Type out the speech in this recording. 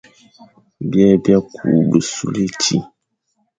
Byè bia kü besule éti,